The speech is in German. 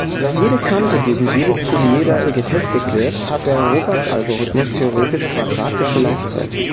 Da jede Kante gegen jedes Polyeder getestet wird, hat der Roberts-Algorithmus theoretisch quadratische Laufzeit.